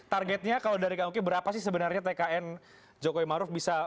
targetnya kalau dari kang uki berapa sih sebenarnya tkn jokowi maruf bisa